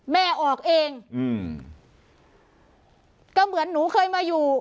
แม่ออกเองอืมก็เหมือนหนูเคยมาอยู่